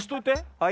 はい。